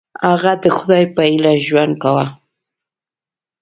هغه د خدای په هیله ژوند کاوه.